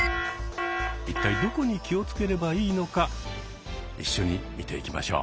一体どこに気を付ければいいのか一緒に見ていきましょう。